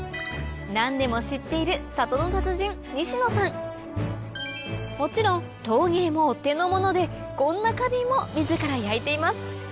何でも知っているもちろん陶芸もお手の物でこんな花瓶も自ら焼いています